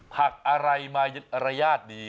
ผักอะไรมารยาทดี